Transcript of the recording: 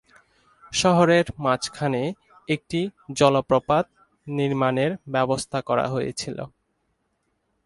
শহরের মাঝখানে একটি জলপ্রপাত নির্মাণের ব্যবস্থা করা হয়েছিল।